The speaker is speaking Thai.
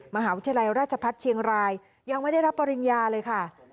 มหาวิทยาลัยราชพัฒน์เชียงรายยังไม่ได้รับปริญญาเลยค่ะ